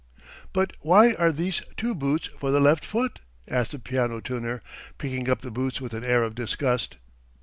..." "But why are there two boots for the left foot?" asked the piano tuner, picking up the boots with an air of disgust.